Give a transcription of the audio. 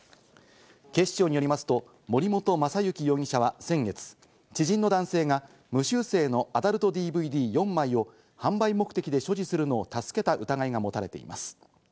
警視庁によりますと、森本雅幸容疑者は先月、知人の男性が無修正のアダルトＤＶＤ４枚を販売目的で所持するのを助けた疑いが持たれています。